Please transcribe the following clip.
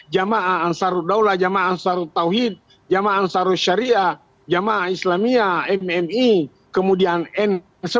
jemaah ansarul daulah jemaah ansarul tauhid jemaah ansarul syariah jemaah islamiah mmi kemudian n sebelas